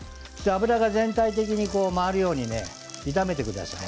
油が全体的に回るように炒めてください。